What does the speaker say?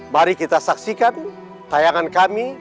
mari kita saksikan tayangan kami